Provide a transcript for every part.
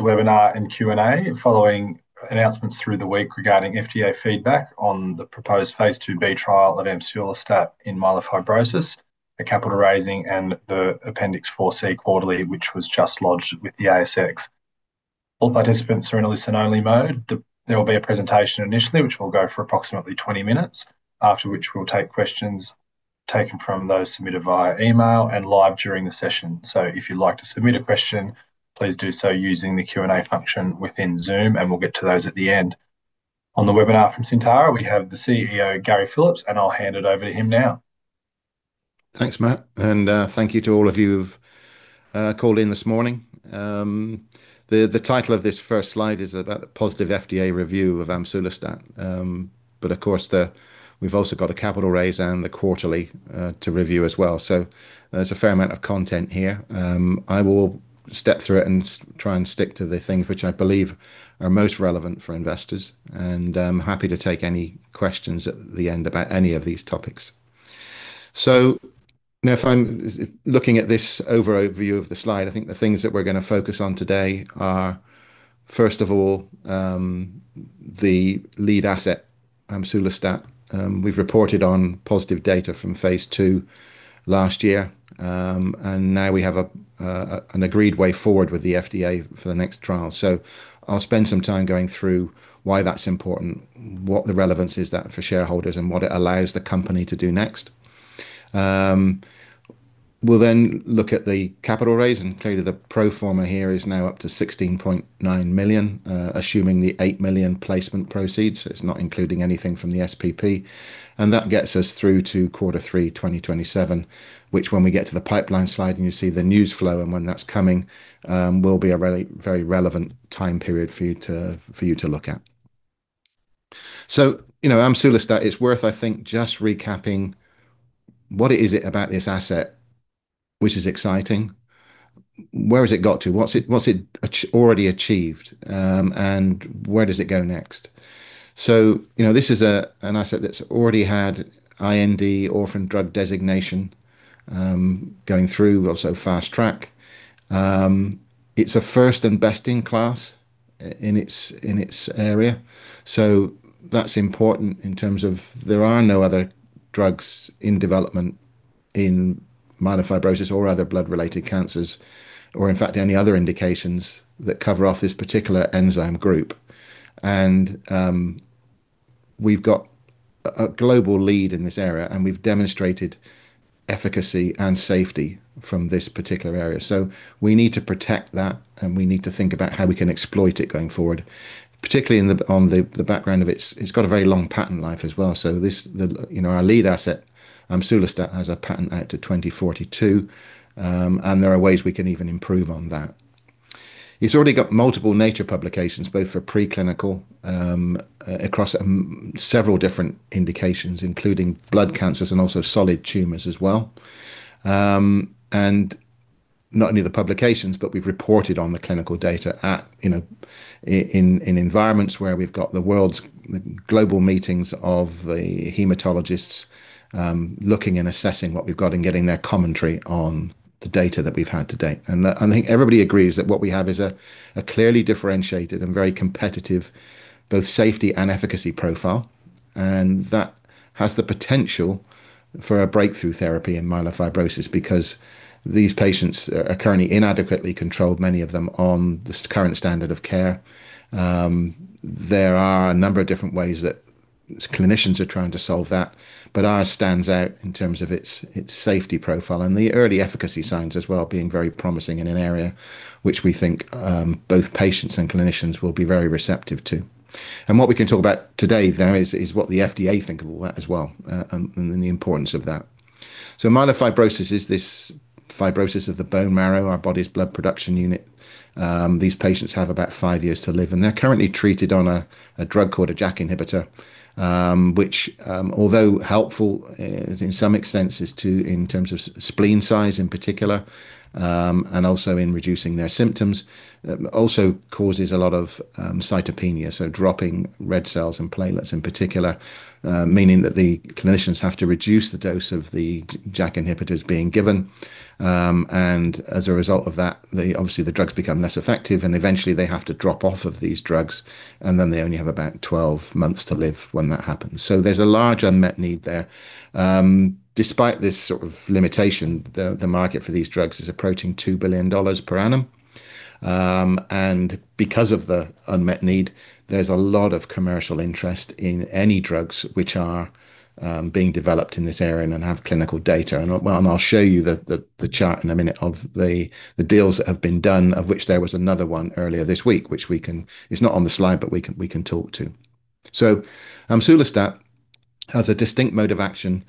Welcome to webinar and Q&A following announcements through the week regarding FDA feedback on the proposed phase II-B trial of imsulostat in myelofibrosis, the capital raising, and the Appendix 4C quarterly, which was just lodged with the ASX. All participants are in a listen-only mode. There will be a presentation initially, which will go for approximately 20 minutes, after which we'll take questions taken from those submitted via email and live during the session. If you'd like to submit a question, please do so using the Q&A function within Zoom, and we'll get to those at the end. On the webinar from Syntara, we have the CEO, Gary Phillips, and I'll hand it over to him now. Thanks, Matt. Thank you to all of you who've called in this morning. The title of this first slide is about the positive FDA review of imsulostat. Of course, we've also got a capital raise and the quarterly to review as well. There's a fair amount of content here. I will step through it and try and stick to the things which I believe are most relevant for investors. I'm happy to take any questions at the end about any of these topics. Now if I'm looking at this overall view of the slide, I think the things that we're gonna focus on today are, first of all, the lead asset, imsulostat. We've reported on positive data from phase II last year. Now we have an agreed way forward with the FDA for the next trial. I'll spend some time going through why that's important, what the relevance is that for shareholders, and what it allows the company to do next. We'll then look at the capital raise, clearly the pro forma here is now up to 16.9 million, assuming the 8 million placement proceeds. It's not including anything from the SPP. That gets us through to quarter three 2027, which when we get to the pipeline slide and you see the news flow and when that's coming, will be a really very relevant time period for you to look at. You know, imsulostat is worth, I think, just recapping what it is it about this asset which is exciting. Where has it got to? What's it already achieved? Where does it go next? You know, this is an asset that's already had IND orphan drug designation, going through also Fast Track. It's a first and best in class in its area, that's important in terms of there are no other drugs in development in myelofibrosis or other blood-related cancers, or in fact, any other indications that cover off this particular enzyme group. We've got a global lead in this area, we've demonstrated efficacy and safety from this particular area. We need to protect that, and we need to think about how we can exploit it going forward, particularly in the background of its, it's got a very long patent life as well. This, you know, our lead asset, imsulostat, has a patent out to 2042. There are ways we can even improve on that. It's already got multiple nature publications, both for preclinical, across several different indications, including blood cancers and also solid tumors as well. Not only the publications, but we've reported on the clinical data in environments where we've got the world's global meetings of the hematologists, looking and assessing what we've got and getting their commentary on the data that we've had to date. I think everybody agrees that what we have is a clearly differentiated and very competitive both safety and efficacy profile. That has the potential for a Breakthrough Therapy in myelofibrosis because these patients are currently inadequately controlled, many of them on this current standard of care. There are a number of different ways that clinicians are trying to solve that. Ours stands out in terms of its safety profile and the early efficacy signs as well being very promising in an area which we think both patients and clinicians will be very receptive to. What we can talk about today, though, is what the FDA think of all that as well, and the importance of that. Myelofibrosis is this fibrosis of the bone marrow, our body's blood production unit. These patients have about 5 years to live, and they're currently treated on a drug called a JAK inhibitor, which, although helpful in some extent to, in terms of spleen size in particular, and also in reducing their symptoms, also causes a lot of cytopenias, so dropping red cells and platelets in particular, meaning that the clinicians have to reduce the dose of the JAK inhibitors being given. As a result of that, obviously the drugs become less effective, and eventually they have to drop off of these drugs, and then they only have about 12 months to live when that happens. There's a large unmet need there. Despite this sort of limitation, the market for these drugs is approaching 2 billion dollars per annum. Because of the unmet need, there's a lot of commercial interest in any drugs which are being developed in this area and have clinical data. I'll show you the chart in a minute of the deals that have been done, of which there was another one earlier this week, which it's not on the slide, but we can talk to. Imsulostat has a distinct mode of action.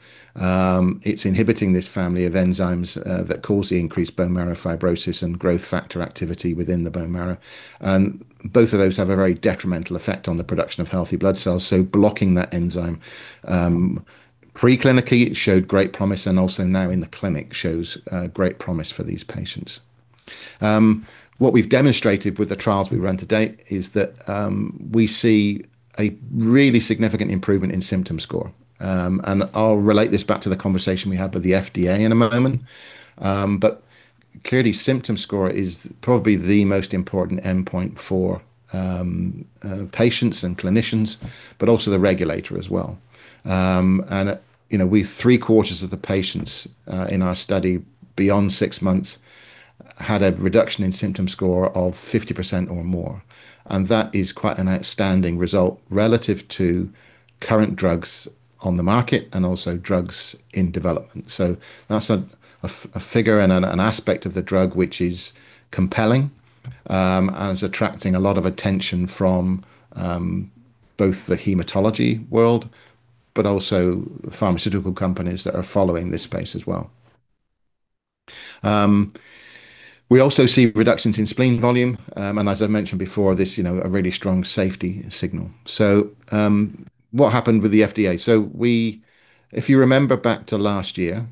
It's inhibiting this family of enzymes that cause the increased bone marrow fibrosis and growth factor activity within the bone marrow. Both of those have a very detrimental effect on the production of healthy blood cells. Blocking that enzyme, preclinically, it showed great promise and also now in the clinic shows great promise for these patients. What we've demonstrated with the trials we've run to date is that, we see a really significant improvement in symptom score. I'll relate this back to the conversation we had with the FDA in a moment. Clearly, symptom score is probably the most important endpoint for patients and clinicians, but also the regulator as well. You know, three-quarters of the patients in our study beyond 6 months had a reduction in symptom score of 50% or more, and that is quite an outstanding result relative to current drugs on the market and also drugs in development. That's a figure and an aspect of the drug which is compelling and is attracting a lot of attention from both the hematology world but also pharmaceutical companies that are following this space as well. We also see reductions in spleen volume, and as I mentioned before, this, you know, a really strong safety signal. What happened with the FDA? If you remember back to last year,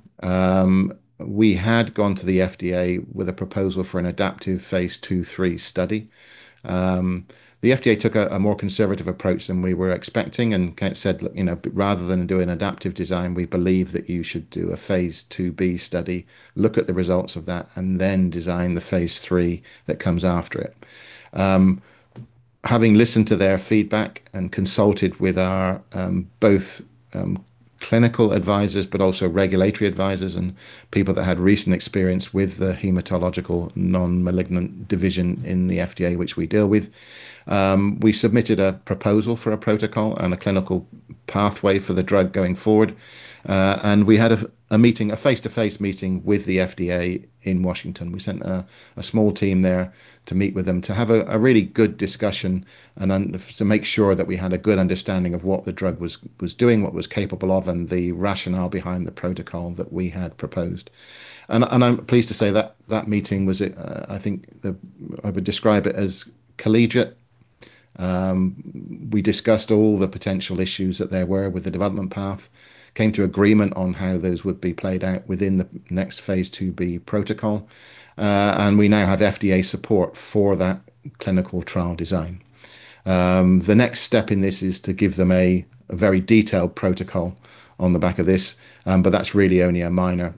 we had gone to the FDA with a proposal for an adaptive phase II/III study. The FDA took a more conservative approach than we were expecting and kind of said, "You know, rather than do an adaptive design, we believe that you should do a phase II-B study, look at the results of that, and then design the phase III that comes after it." Having listened to their feedback and consulted with our both clinical advisors but also regulatory advisors and people that had recent experience with the hematological non-malignant division in the FDA which we deal with, we submitted a proposal for a protocol and a clinical pathway for the drug going forward. And we had a meeting, a face-to-face meeting with the FDA in Washington. We sent a small team there to meet with them to have a really good discussion and to make sure that we had a good understanding of what the drug was doing, what it was capable of, and the rationale behind the protocol that we had proposed. I'm pleased to say that that meeting was, I think, the... I would describe it as collegiate. We discussed all the potential issues that there were with the development path, came to agreement on how those would be played out within the next phase II-B protocol, and we now have FDA support for that clinical trial design. The next step in this is to give them a very detailed protocol on the back of this, but that's really only a minor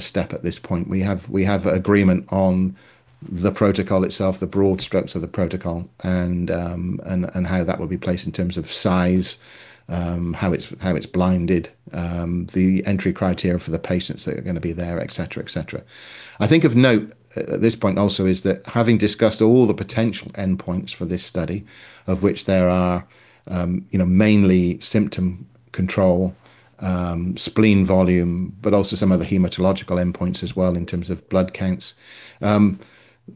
step at this point. We have agreement on the protocol itself, the broad strokes of the protocol and how that will be placed in terms of size, how it's blinded, the entry criteria for the patients that are gonna be there, et cetera, et cetera. I think of note at this point also is that having discussed all the potential endpoints for this study, of which there are, you know, mainly symptom control, spleen volume, but also some other hematological endpoints as well in terms of blood counts,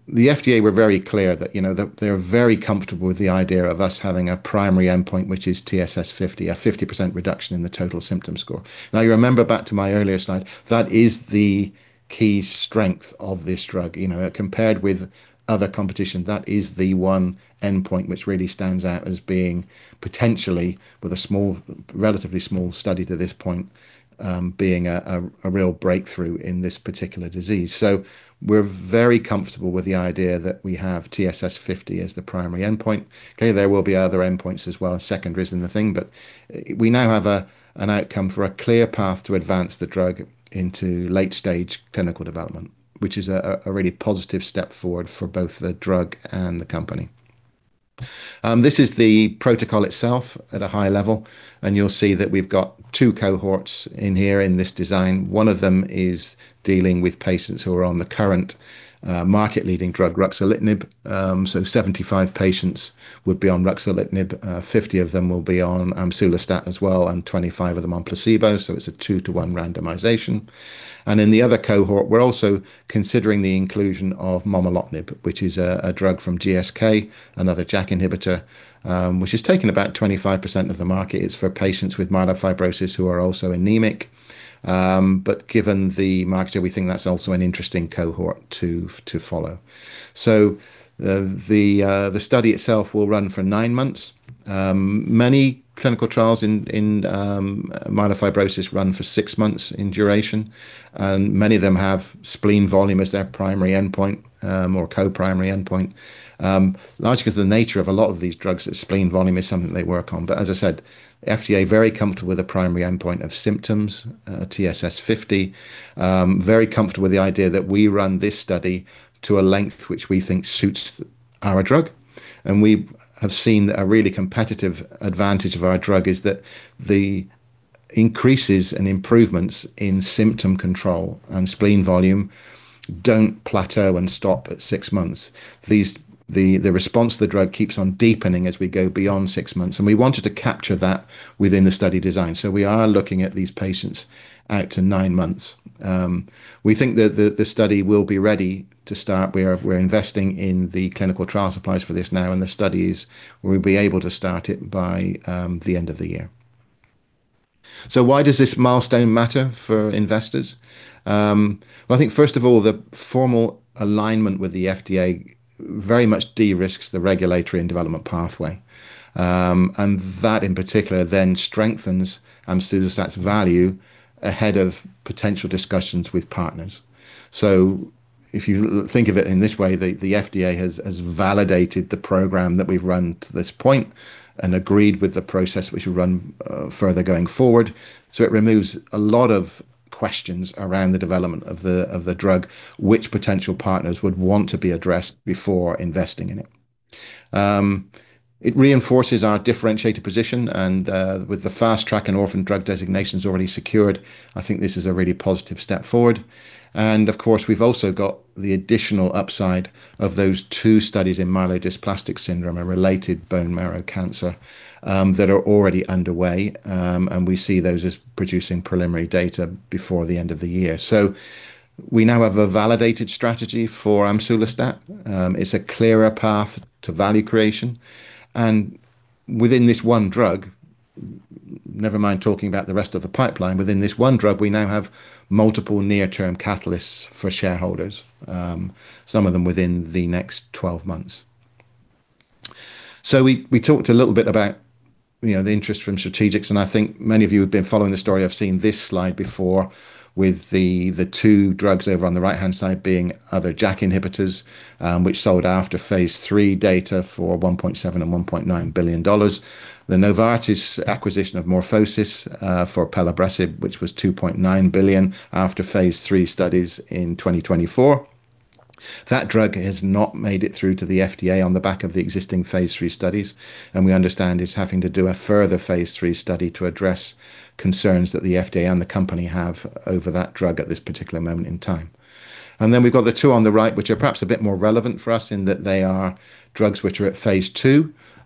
the FDA were very clear that, you know, that they're very comfortable with the idea of us having a primary endpoint which is TSS50, a 50% reduction in the Total Symptom Score. Now, you remember back to my earlier slide, that is the key strength of this drug. You know, compared with other competition, that is the one endpoint which really stands out as being potentially, with a small, relatively small study to this point, being a real breakthrough in this particular disease. We're very comfortable with the idea that we have TSS50 as the primary endpoint. Clearly, there will be other endpoints as well, secondaries and the thing, we now have an outcome for a clear path to advance the drug into late-stage clinical development, which is a really positive step forward for both the drug and the company. This is the protocol itself at a high level, you'll see that we've got two cohorts in here in this design. One of them is dealing with patients who are on the current market leading drug, ruxolitinib. 75 patients would be on ruxolitinib, 50 of them will be on amsulostat as well, and 25 of them on placebo, so it's a two-to-one randomization. In the other cohort, we're also considering the inclusion of momelotinib, which is a drug from GSK, another JAK inhibitor, which has taken about 25% of the market. It's for patients with myelofibrosis who are also anemic. Given the market, we think that's also an interesting cohort to follow. The study itself will run for nine months. Many clinical trials in myelofibrosis run for six months in duration, many of them have spleen volume as their primary endpoint, or co-primary endpoint, largely because the nature of a lot of these drugs is spleen volume is something they work on. As I said, FDA very comfortable with the primary endpoint of symptoms, TSS50. Very comfortable with the idea that we run this study to a length which we think suits our drug, and we have seen that a really competitive advantage of our drug is that the increases and improvements in symptom control and spleen volume don't plateau and stop at 6 months. The response to the drug keeps on deepening as we go beyond six months, and we wanted to capture that within the study design, so we are looking at these patients out to 9 months. We think that the study will be ready to start. We're investing in the clinical trial supplies for this now, and we'll be able to start it by the end of the year. Why does this milestone matter for investors? I think, first of all, the formal alignment with the FDA very much de-risks the regulatory and development pathway. That in particular strengthens imsulostat's value ahead of potential discussions with partners. If you think of it in this way, the FDA has validated the program that we've run to this point and agreed with the process which we'll run further going forward. It removes a lot of questions around the development of the drug which potential partners would want to be addressed before investing in it. It reinforces our differentiated position with the Fast Track and Orphan Drug designations already secured, I think this is a really positive step forward. Of course, we've also got the additional upside of those two studies in myelodysplastic syndrome and related bone marrow cancer that are already underway. We see those as producing preliminary data before the end of the year. We now have a validated strategy for amsulostat. It's a clearer path to value creation. Within this one drug, never mind talking about the rest of the pipeline, within this one drug, we now have multiple near-term catalysts for shareholders, some of them within the next 12 months. We talked a little bit about, you know, the interest from strategics, and I think many of you have been following the story have seen this slide before with the two drugs over on the right-hand side being other JAK inhibitors, which sold after phase III data for 1.7 billion and 1.9 billion dollars. Novartis acquisition of MorphoSys for pelabresib, which was 2.9 billion after phase III studies in 2024. That drug has not made it through to the FDA on the back of the existing phase III studies, and we understand it's having to do a further phase III study to address concerns that the FDA and the company have over that drug at this particular moment in time. We've got the two on the right, which are perhaps a bit more relevant for us in that they are drugs which are at phase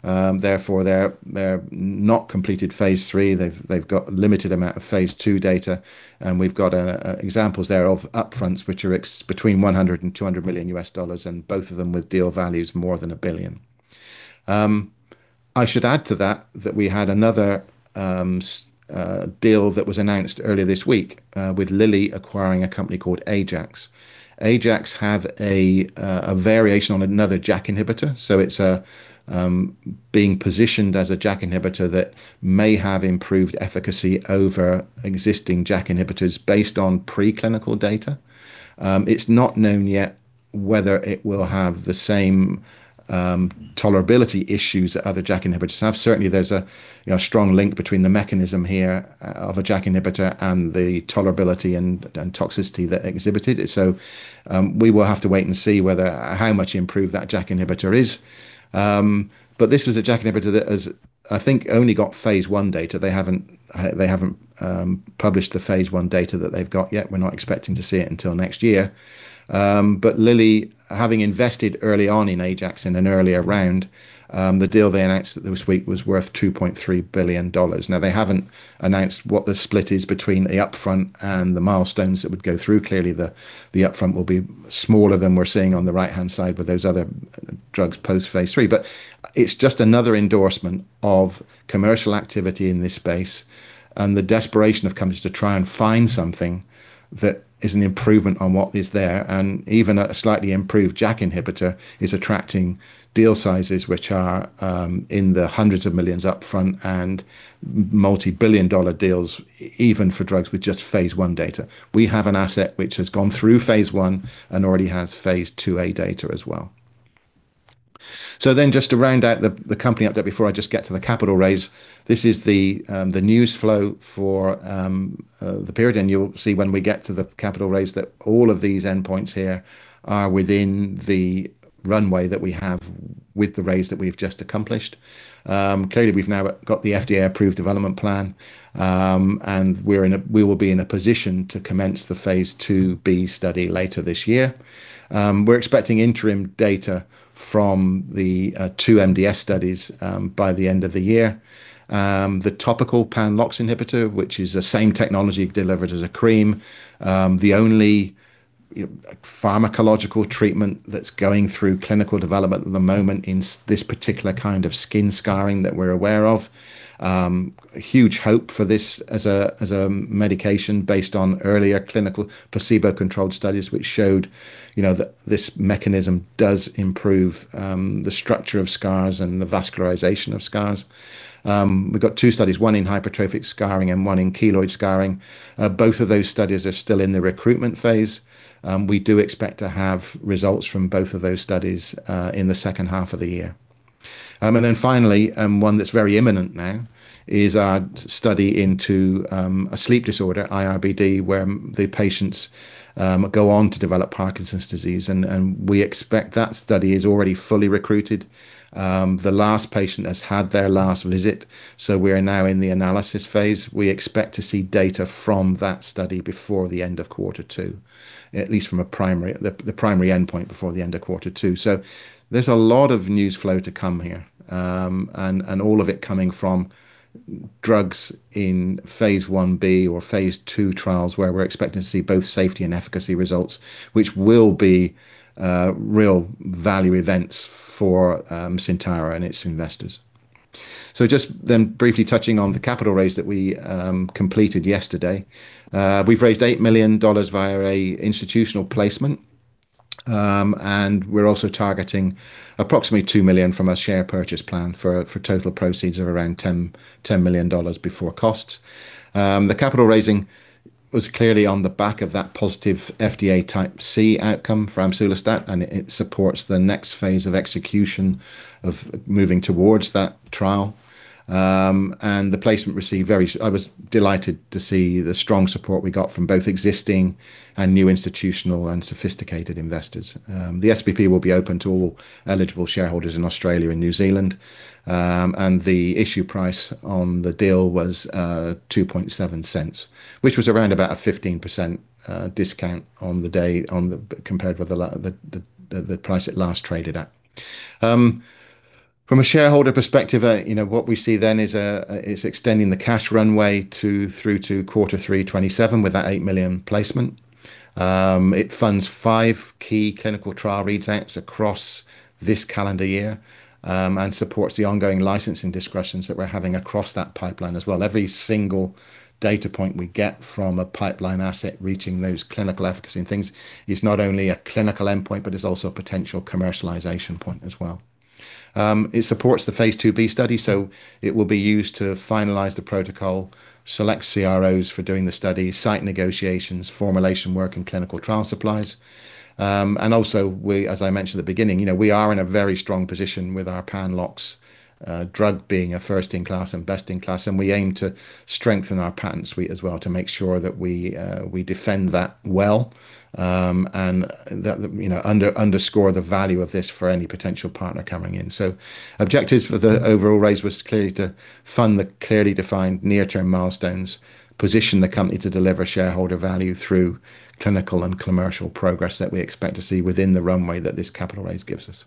II. Therefore, they're not completed phase III. They've got limited amount of phase II data, and we've got examples there of upfronts which are between $100 million-$200 million, and both of them with deal values more than $1 billion. I should add to that we had another deal that was announced earlier this week, with Lilly acquiring a company called Ajax. Ajax have a variation on another JAK inhibitor. It's being positioned as a JAK inhibitor that may have improved efficacy over existing JAK inhibitors based on preclinical data. It's not known yet whether it will have the same tolerability issues that other JAK inhibitors have. Certainly, there's a strong link between the mechanism here of a JAK inhibitor and the tolerability and toxicity that exhibited it. We will have to wait and see how much improved that JAK inhibitor is. This was a JAK inhibitor that has, I think, only got phase I data. They haven't published the phase I data that they've got yet. We're not expecting to see it until next year. Lilly, having invested early on in Ajax in an earlier round, the deal they announced this week was worth 2.3 billion dollars. They haven't announced what the split is between the upfront and the milestones that would go through. Clearly, the upfront will be smaller than we're seeing on the right-hand side with those other drugs post phase III. It's just another endorsement of commercial activity in this space and the desperation of companies to try and find something that is an improvement on what is there. Even a slightly improved JAK inhibitor is attracting deal sizes which are in the hundreds of millions AUD upfront and multi-billion AUD deals even for drugs with just phase I data. We have an asset which has gone through phase I and already has phase II-A data as well. Just to round out the company update before I just get to the capital raise, this is the news flow for the period. You'll see when we get to the capital raise that all of these endpoints here are within the runway that we have with the raise that we've just accomplished. Clearly, we've now got the FDA-approved development plan, and we will be in a position to commence the phase II-B study later this year. We're expecting interim data from the two MDS studies by the end of the year. The topical pan-LOX inhibitor, which is the same technology delivered as a cream, the only pharmacological treatment that's going through clinical development at the moment in this particular kind of skin scarring that we're aware of. Huge hope for this as a medication based on earlier clinical placebo-controlled studies which showed, you know, that this mechanism does improve the structure of scars and the vascularization of scars. We've got two studies, one in hypertrophic scarring and one in keloid scarring. Both of those studies are still in the recruitment phase. We do expect to have results from both of those studies in the second half of the year. Finally, one that's very imminent now is our study into a sleep disorder, IRBD, where the patients go on to develop Parkinson's disease. We expect that study is already fully recruited. The last patient has had their last visit, so we are now in the analysis phase. We expect to see data from that study before the end of quarter two, at least from the primary endpoint before the end of quarter two. There's a lot of news flow to come here, and all of it coming from drugs in phase I-B or phase II trials where we're expecting to see both safety and efficacy results, which will be real value events for Syntara and its investors. Just then briefly touching on the capital raise that we completed yesterday. We've raised 8 million dollars via a institutional placement. We're also targeting approximately 2 million from a Share Purchase Plan for total proceeds of around 10 million dollars before costs. The capital raising was clearly on the back of that positive FDA Type C outcome for amsulostat, it supports the next phase of execution of moving towards that trial. The placement received very I was delighted to see the strong support we got from both existing and new institutional and sophisticated investors. The SPP will be open to all eligible shareholders in Australia and New Zealand, the issue price on the deal was 0.027, which was around about a 15% discount on the day compared with the price it last traded at. From a shareholder perspective, you know, what we see then is extending the cash runway to through to quarter three 2027 with that 8 million placement. It funds five key clinical trial readouts across this calendar year, and supports the ongoing licensing discussions that we're having across that pipeline as well. Every single data point we get from a pipeline asset reaching those clinical efficacy and things is not only a clinical endpoint, but it's also a potential commercialization point as well. It supports the phase II-B study, so it will be used to finalize the protocol, select CROs for doing the study, site negotiations, formulation work, and clinical trial supplies. Also we, as I mentioned at the beginning, you know, we are in a very strong position with our pan-LOX drug being a first-in-class and best-in-class, and we aim to strengthen our patent suite as well to make sure that we defend that well, and that, you know, under-underscore the value of this for any potential partner coming in. Objectives for the overall raise was clearly to fund the clearly defined near-term milestones, position the company to deliver shareholder value through clinical and commercial progress that we expect to see within the runway that this capital raise gives us.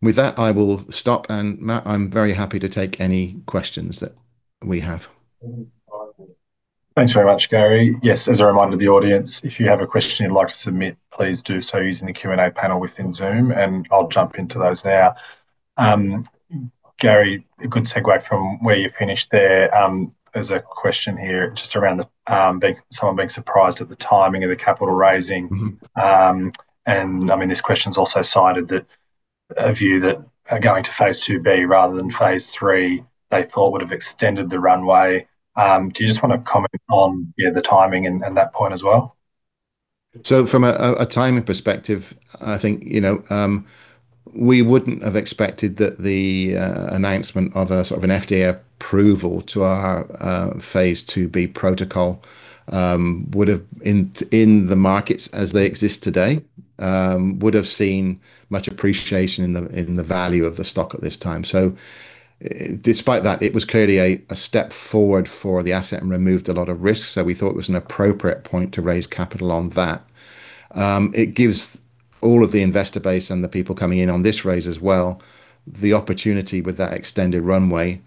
With that, I will stop, and Matt, I'm very happy to take any questions that we have. Thanks very much, Gary. Yes, as a reminder to the audience, if you have a question you'd like to submit, please do so using the Q&A panel within Zoom, and I'll jump into those now. Gary, a good segue from where you finished there. There's a question here just around, someone being surprised at the timing of the capital raising. Mm-hmm. I mean, this question's also cited that a view that going to phase II-B rather than phase III they thought would have extended the runway. Do you just want to comment on the timing and that point as well? From a timing perspective, I think, you know, we wouldn't have expected that the announcement of a sort of an FDA approval to our phase II-B protocol would have in the markets as they exist today, would have seen much appreciation in the value of the stock at this time. Despite that, it was clearly a step forward for the asset and removed a lot of risk. We thought it was an appropriate point to raise capital on that. It gives all of the investor base and the people coming in on this raise as well the opportunity with that extended runway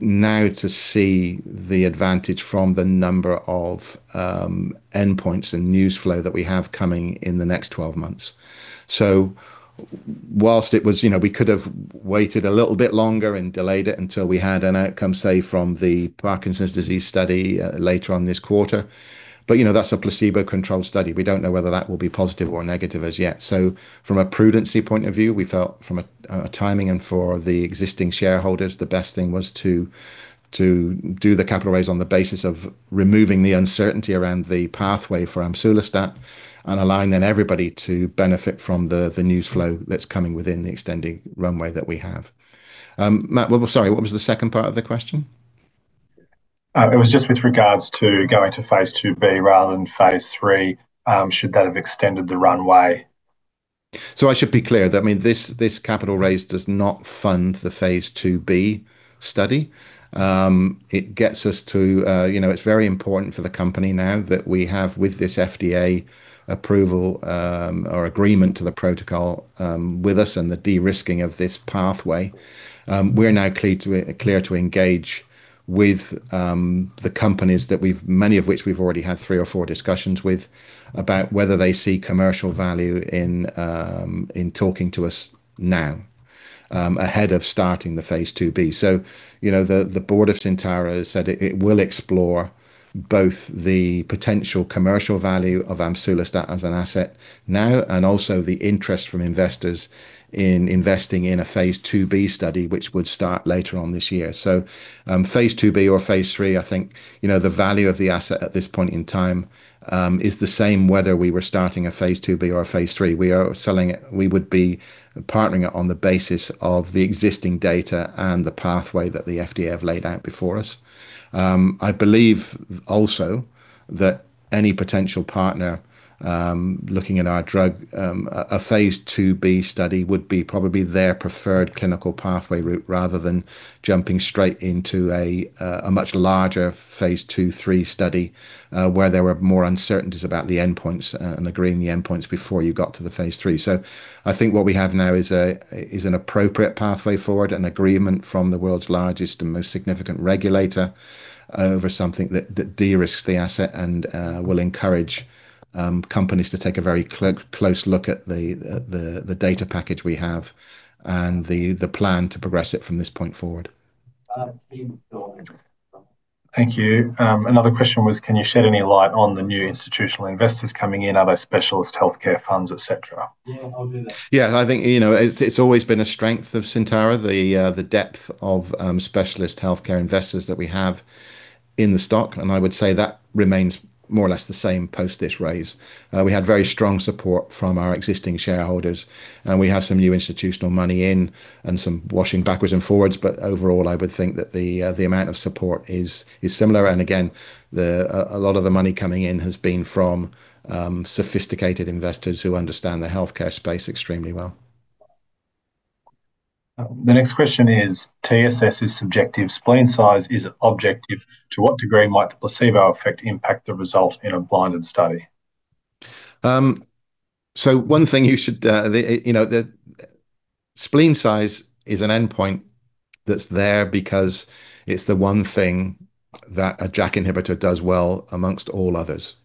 now to see the advantage from the number of endpoints and news flow that we have coming in the next 12 months. Whilst it was, you know, we could have waited a little bit longer and delayed it until we had an outcome, say, from the Parkinson's disease study later on this quarter. You know, that's a placebo-controlled study. We don't know whether that will be positive or negative as yet. From a prudency point of view, we felt from a timing and for the existing shareholders, the best thing was to do the capital raise on the basis of removing the uncertainty around the pathway for amsulostat and allowing then everybody to benefit from the news flow that's coming within the extended runway that we have. Matt, what was the second part of the question? It was just with regards to going to phase II-B rather than phase III, should that have extended the runway? I should be clear that, I mean, this capital raise does not fund the phase II-B study. It gets us to, you know, it's very important for the company now that we have with this FDA approval, or agreement to the protocol, with us and the de-risking of this pathway. We're now clear to engage with the companies that we've many of which we've already had three or four discussions with about whether they see commercial value in talking to us now, ahead of starting the phase II-B. You know, the board of Syntara has said it will explore both the potential commercial value of amsulostat as an asset now and also the interest from investors in investing in a phase II-B study, which would start later on this year. Phase II-B or phase III, I think, you know, the value of the asset at this point in time is the same whether we were starting a phase II-B or a phase III. We are selling it. We would be partnering it on the basis of the existing data and the pathway that the FDA have laid out before us. I believe also that any potential partner looking at our drug, a phase II-B study would be probably their preferred clinical pathway route rather than jumping straight into a much larger phase II/III study, where there were more uncertainties about the endpoints and agreeing the endpoints before you got to the phase III. I think what we have now is an appropriate pathway forward, an agreement from the world's largest and most significant regulator over something that de-risks the asset and will encourage companies to take a very close look at the data package we have and the plan to progress it from this point forward. Thank you. Another question was, can you shed any light on the new institutional investors coming in? Are they specialist healthcare funds, et cetera? Yeah, I think, you know, it's always been a strength of Syntara, the depth of specialist healthcare investors that we have. In the stock, I would say that remains more or less the same post this raise. We had very strong support from our existing shareholders, and we have some new institutional money in and some washing backwards and forwards. Overall, I would think that the amount of support is similar. Again, a lot of the money coming in has been from sophisticated investors who understand the healthcare space extremely well. The next question is TSS is subjective. Spleen size is objective. To what degree might the placebo effect impact the result in a blinded study? One thing you should, you know, the spleen size is an endpoint that's there because it's the one thing that a JAK inhibitor does well amongst all others.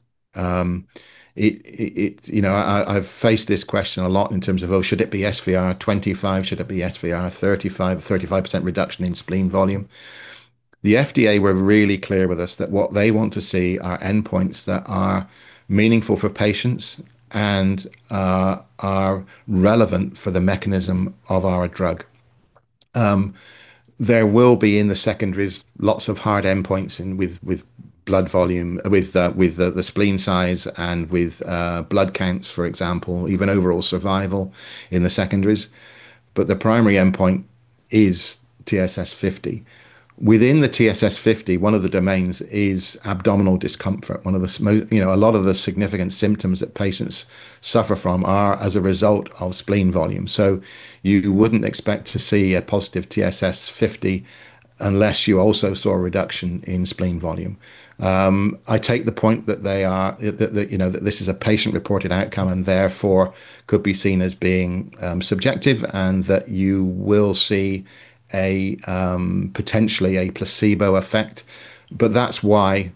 It, you know, I've faced this question a lot in terms of, oh, should it be SVR25? Should it be SVR35, 35% reduction in spleen volume? The FDA were really clear with us that what they want to see are endpoints that are meaningful for patients and are relevant for the mechanism of our drug. There will be in the secondaries lots of hard endpoints in with blood volume, with the spleen size and with blood counts, for example, even overall survival in the secondaries. The primary endpoint is TSS50. Within the TSS50, one of the domains is abdominal discomfort. You know, a lot of the significant symptoms that patients suffer from are as a result of spleen volume. You wouldn't expect to see a positive TSS50 unless you also saw a reduction in spleen volume. I take the point that they are that, you know, that this is a patient-reported outcome and therefore could be seen as being subjective and that you will see a potentially a placebo effect. That's why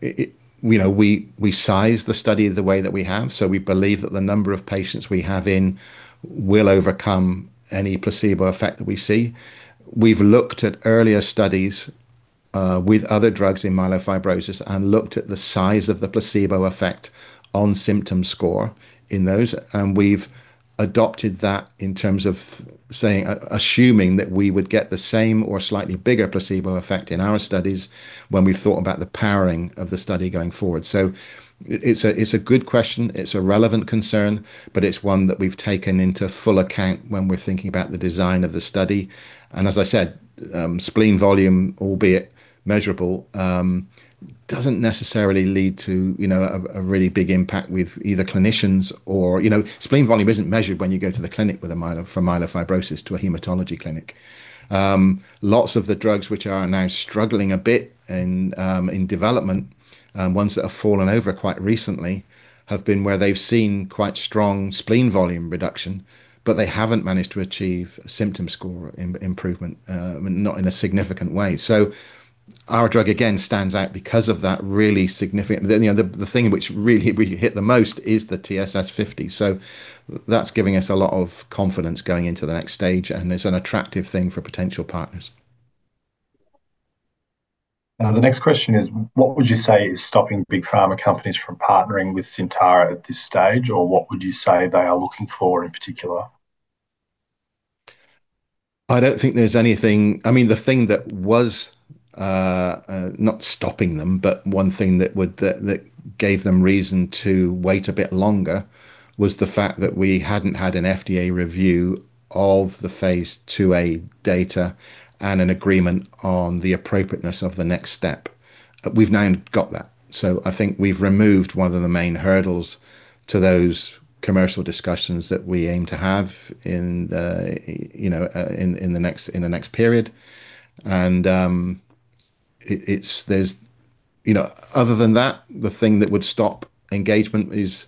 it, you know, we size the study the way that we have. We believe that the number of patients we have in will overcome any placebo effect that we see. We've looked at earlier studies with other drugs in myelofibrosis and looked at the size of the placebo effect on symptom score in those, and we've adopted that in terms of saying assuming that we would get the same or slightly bigger placebo effect in our studies when we thought about the powering of the study going forward. It's a, it's a good question, it's a relevant concern, but it's one that we've taken into full account when we're thinking about the design of the study. As I said, spleen volume, albeit measurable, doesn't necessarily lead to, you know, a really big impact with either clinicians or. You know, spleen volume isn't measured when you go to the clinic with for myelofibrosis to a hematology clinic. Lots of the drugs which are now struggling a bit in development, ones that have fallen over quite recently, have been where they've seen quite strong spleen volume reduction, but they haven't managed to achieve symptom score improvement, not in a significant way. Our drug again stands out because of that really significant... You know, the thing which really hit the most is the TSS50. That's giving us a lot of confidence going into the next stage, and it's an attractive thing for potential partners. The next question is: What would you say is stopping big pharma companies from partnering with Syntara at this stage? What would you say they are looking for in particular? I don't think there's anything. I mean, the thing that was not stopping them, but one thing that would that gave them reason to wait a bit longer was the fact that we hadn't had an FDA review of the phase II-A data and an agreement on the appropriateness of the next step. We've now got that. I think we've removed one of the main hurdles to those commercial discussions that we aim to have in the, you know, in the next period. It's, there's. You know, other than that, the thing that would stop engagement is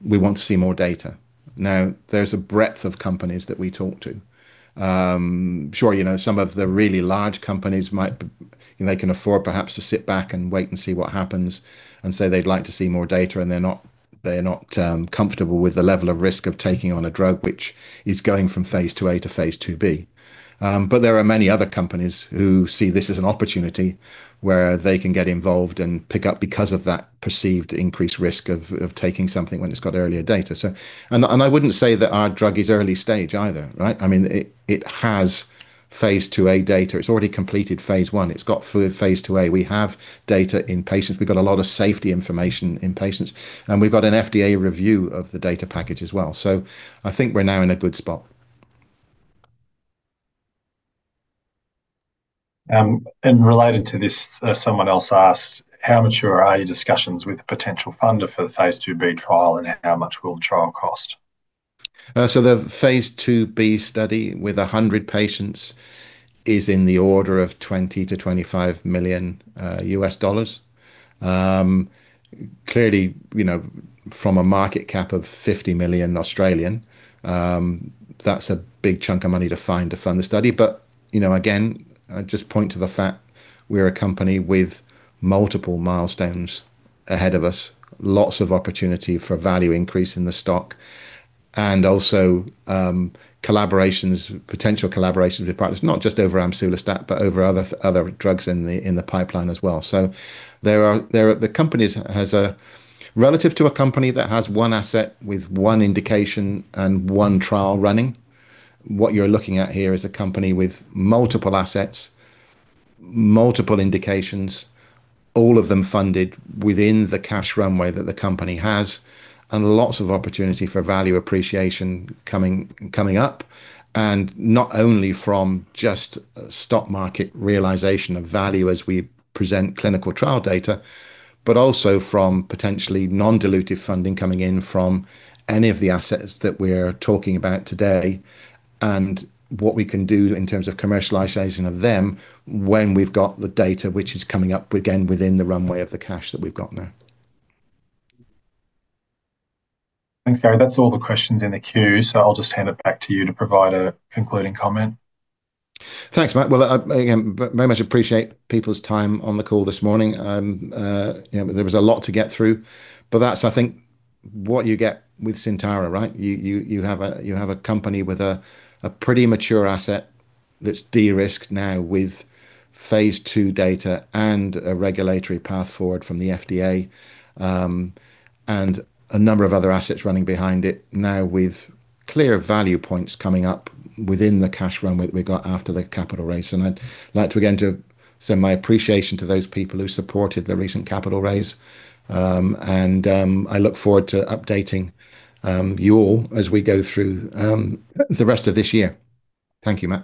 we want to see more data. Now, there's a breadth of companies that we talk to. Sure, you know, some of the really large companies, you know, they can afford perhaps to sit back and wait and see what happens and say they'd like to see more data, and they're not comfortable with the level of risk of taking on a drug which is going from phase II-A to phase II-B. But there are many other companies who see this as an opportunity where they can get involved and pick up because of that perceived increased risk of taking something when it's got earlier data. I, and I wouldn't say that our drug is early stage either, right? I mean, it has phase II-A data. It's already completed phase I. It's got phase II-A. We have data in patients. We've got a lot of safety information in patients, and we've got an FDA review of the data package as well. I think we're now in a good spot. Related to this, someone else asked, how mature are your discussions with a potential funder for the phase II-B trial, and how much will the trial cost? The phase II-B study with 100 patients is in the order of $20 million-$25 million. Clearly, you know, from a market cap of 50 million, that's a big chunk of money to find to fund the study. You know, again, I just point to the fact we're a company with multiple milestones ahead of us, lots of opportunity for value increase in the stock, and also, collaborations, potential collaborations with partners, not just over amsulostat, but over other drugs in the pipeline as well. Relative to a company that has one asset with one indication and one trial running, what you're looking at here is a company with multiple assets, multiple indications, all of them funded within the cash runway that the company has, and lots of opportunity for value appreciation coming up, and not only from just stock market realization of value as we present clinical trial data, but also from potentially non-dilutive funding coming in from any of the assets that we're talking about today and what we can do in terms of commercialization of them when we've got the data which is coming up again within the runway of the cash that we've got now. Thanks, Gary. That's all the questions in the queue, so I'll just hand it back to you to provide a concluding comment. Thanks, Matt. Well, again, very much appreciate people's time on the call this morning. You know, there was a lot to get through, but that's, I think, what you get with Syntara, right? You have a company with a pretty mature asset that's de-risked now with phase II data and a regulatory path forward from the FDA, and a number of other assets running behind it now with clear value points coming up within the cash runway that we got after the capital raise. I'd like again to send my appreciation to those people who supported the recent capital raise. I look forward to updating you all as we go through the rest of this year. Thank you, Matt.